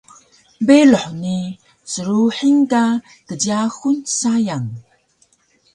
beyluh ni sruhing ka kjyaxun sayang